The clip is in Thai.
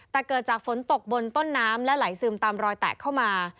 แต่เกิดจากฝนตกบนต้นน้ำและไหลซึมตามรอยแตกเข้ามา